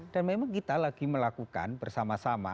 dan memang kita lagi melakukan bersama sama